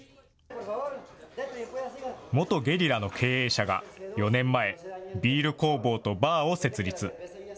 元ゲリラの経営者が、４年前、ビール工房とバーを設立。